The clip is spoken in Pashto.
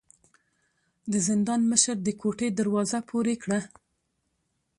د زندان مشر د کوټې دروازه پورې کړه.